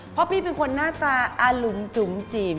เพราะพี่เป็นคนหน้าตาอาลุงจุ๋มจิ๋ม